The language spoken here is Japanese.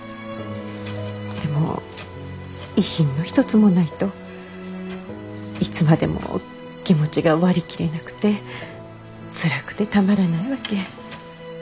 でも遺品の一つもないといつまでも気持ちが割り切れなくてつらくてたまらないわけ。